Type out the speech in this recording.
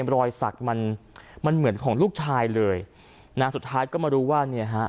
รอยสักมันมันเหมือนของลูกชายเลยนะสุดท้ายก็มารู้ว่าเนี่ยฮะ